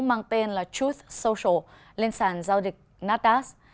mang tên là truth social lên sàn giao địch natas